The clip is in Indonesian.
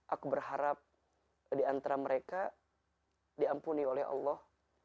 aku berharap di antara mereka diampuni oleh allah